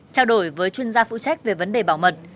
trao đổi với chuyên gia phụ trách về vấn đề bảo mật